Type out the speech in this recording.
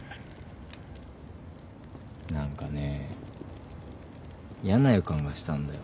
何かねぇ嫌な予感がしたんだよ。